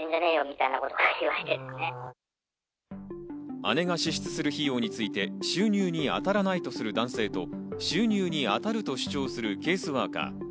姉が支出する費用について、収入に当たらないとする男性と、収入に当たるとするケースワーカー。